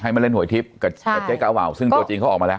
มาเล่นหวยทิพย์กับเจ๊กาวาวซึ่งตัวจริงเขาออกมาแล้ว